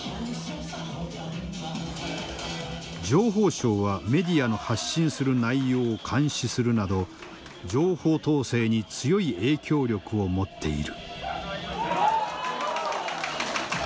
情報相はメディアの発信する内容を監視するなど情報統制に強い影響力を持っている。